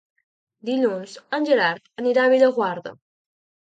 Dilluns en Gerard anirà a Bellaguarda.